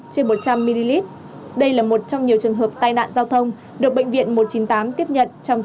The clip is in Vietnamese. số tai nạn giao thông giảm hai năm trăm hai mươi bảy vụ giảm hai mươi ba sáu